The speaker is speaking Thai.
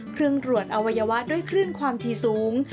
เครื่องตรวจอวัยวะด้วยคลื่นความถี่สูง